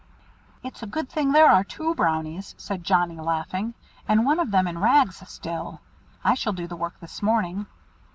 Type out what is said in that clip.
"It's a good thing there are two Brownies," said Johnnie, laughing, "and one of them in rags still. I shall do the work this morning."